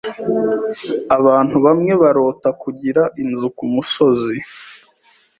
Abantu bamwe barota kugira inzu kumusozi.